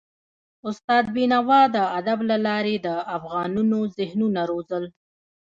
استاد بينوا د ادب له لارې د افغانونو ذهنونه روزل.